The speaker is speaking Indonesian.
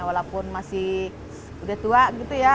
walaupun masih udah tua gitu ya